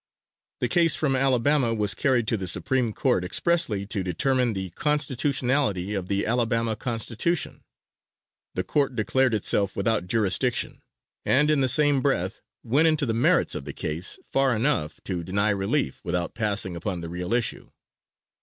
The case from Alabama was carried to the Supreme Court expressly to determine the constitutionality of the Alabama Constitution. The Court declared itself without jurisdiction, and in the same breath went into the merits of the case far enough to deny relief, without passing upon the real issue.